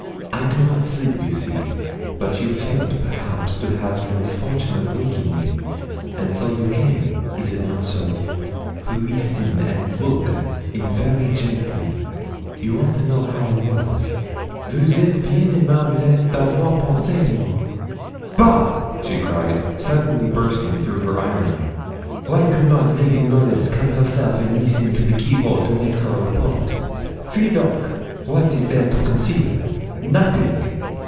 I do not sleep, you see, but you feared, perhaps, to have the misfortune of wakening me, and so you came is it not so? to leesten, and looke in very gentily; you want to know how I was. Vous êtes bien aimable d'avoir pensé à moi. Bah!' she cried, suddenly bursting through her irony. 'Wy could not Lady Knollys come herself and leesten to the keyhole to make her report? Fi donc! wat is there to conceal? Nothing.